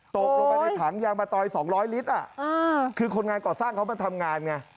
ตกลงไปในถังยางมะตอย๒๐๐ลิตรคือคนงานก่อสร้างเขามาทำงานไง